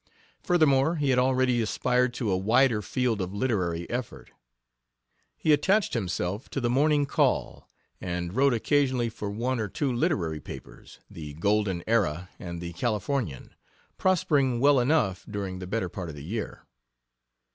Furthermore, he had already aspired to a wider field of literary effort. He attached himself to the Morning Call, and wrote occasionally for one or two literary papers the Golden Era and the Californian prospering well enough during the better part of the year.